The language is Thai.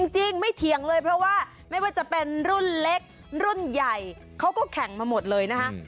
จริงไม่เถียงเลยเพราะว่าไม่ว่าจะเป็นรุ่นเล็กรุ่นใหญ่เขาก็แข่งมาหมดเลยนะคะ